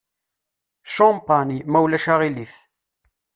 Champagne, ma ulac aɣilif.